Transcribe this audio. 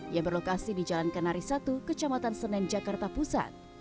yang berlokasi di jalan kenari satu kecamatan senen jakarta pusat